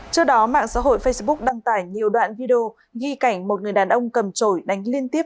trước đó mạng xã hội facebook đăng tải nhiều đoạn video ghi cảnh một người đàn ông cầm trổi đánh liên tiếp